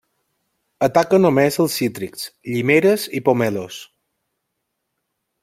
Ataca només els cítrics, llimeres i pomelos.